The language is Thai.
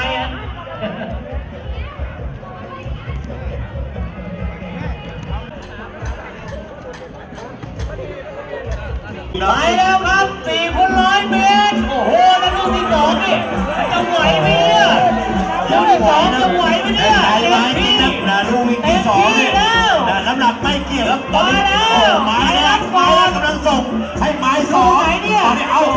ต้องไหวมั้ยเนี่ยยุทธสองต้องไหวมั้ยเนี่ยแอบพี่แอบพี่แล้วแล้วน้ำหนักใต้เกียรติแล้วต่อไปอ๋อไม้แล้วไม้แล้วกำลังส่ง